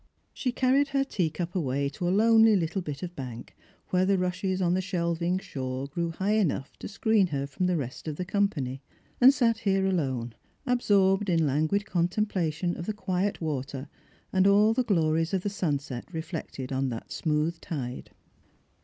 She carried her teacup away to a lonely little bit of bank where the rushes on the shelving shore grew high enough to screen her from the rest of the company, and sat here alone, absorbed in languid contemplation of the quiet water and all the glories of the sunset reflected on that smooth tide.